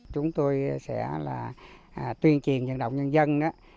chúng tôi sẽ là tuyên truyền dẫn động nhân dân